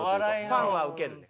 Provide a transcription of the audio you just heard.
ファンはウケるね。